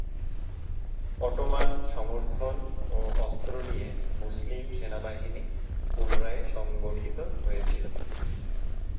Ottoman সমর্থন ও অস্ত্র নিয়ে মুসলিম সেনাবাহিনী পুনরায় সংগঠিত হয়েছিল।